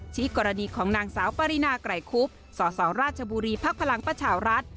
กรณีของนางสาวปรินาไกรคุบสสราชบุรีภักดิ์พลังประชารัฐ